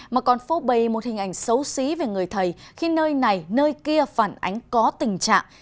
mà còn phô bầy một hình ảnh xấu xí về người thầy khi nơi này nơi kia phản ánh có tình trạng